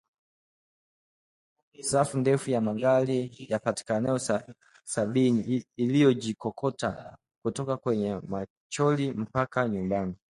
Safu ndefu ya magari yapatayo sabini ilijikokota kutoka kwenye mochari mpaka nyumbani